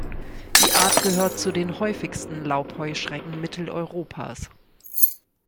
Die Art gehört zu den häufigsten Laubheuschrecken Mitteleuropas.